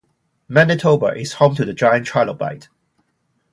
Manitoba is home to the giant trilobite.